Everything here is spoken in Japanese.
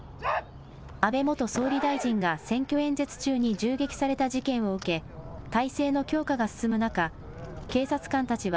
安倍元総理大臣が、選挙演説中に銃撃された事件を受け、体制の強化が進む中、警察官たちは、